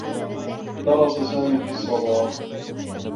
درس سامي في الصّباح.